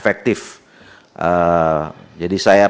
nah ini sudah dikonsumsi